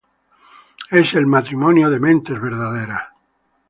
Es el ¡Matrimonio de mentes verdaderas!